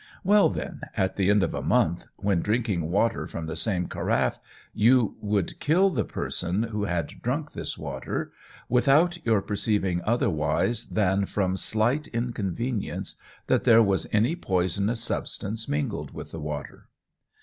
Well, then, at the end of a month, when drinking water from the same carafe, you would kill the person who had drunk this water, without your perceiving otherwise than from slight inconvenience that there was any poisonous substance mingled with the water."